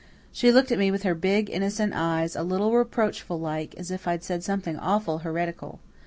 She looked at me with her big, innocent eyes, a little reproachful like, as if I'd said something awful heretical.